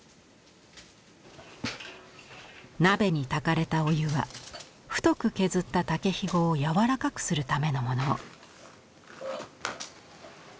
鍋にたかれたお湯は太く削った竹ひごを柔らかくするためのもの。